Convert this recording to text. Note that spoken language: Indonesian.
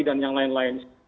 dan yang lain lain